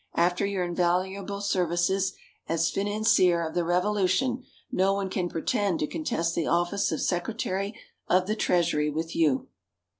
After your invaluable services as Financier of the Revolution, no one can pretend to contest the office of Secretary of the Treasury with you."